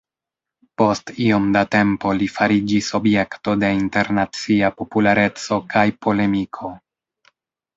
Post iom da tempo li fariĝis objekto de internacia populareco kaj polemiko.